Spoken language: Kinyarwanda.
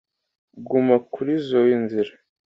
Guma kurizoi nzira.